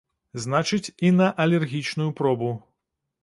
Значыць, і на алергічную пробу.